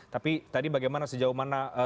tapi tadi bagaimana sejauh mana